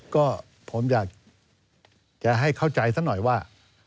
ก็ผมอยากจะให้เข้าใจซะหน่อยว่า